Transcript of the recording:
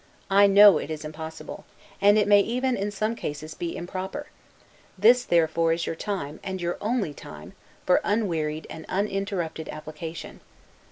I know it is impossible; and it may even, in some cases, be improper; this, therefore, is your time, and your only time, for unwearied and uninterrupted application.